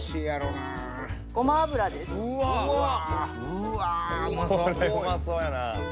これうまそうやな。